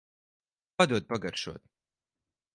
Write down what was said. Padod pagaršot.